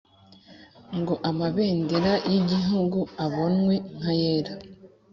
ngo amabendera y ibihugu abonwe nk ayera